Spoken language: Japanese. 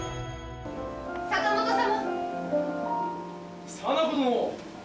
坂本様！